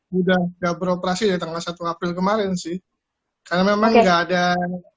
sudah nggak beroperasi dari tanggal satu april kemarin sih karena memang nggak ada